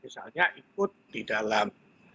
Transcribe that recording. misalnya ikut di dalam